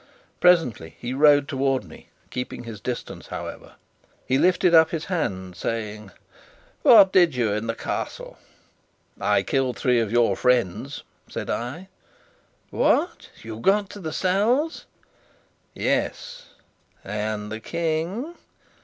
Presently he rode towards me, keeping his distance, however. He lifted up his hand, saying: "What did you in the Castle?" "I killed three of your friends," said I. "What! You got to the cells?" "Yes." "And the King?"